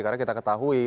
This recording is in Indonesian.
karena kita ketahui